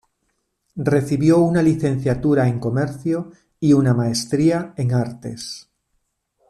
Recibió una licenciatura en comercio y una maestría en artes.